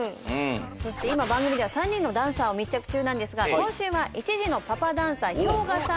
そして今番組では３人のダンサーを密着中なんですが今週は１児のパパダンサーＨｙＯｇＡさんの登場です。